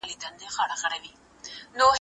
ښوونځی د نجونو ځان باور لوړوي.